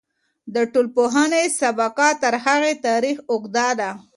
د ټولنپوهنې سابقه تر هغې تاريخ اوږده ده.